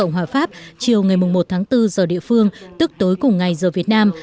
hạ viện pháp chiều ngày một tháng bốn giờ địa phương tức tối cùng ngày giờ việt nam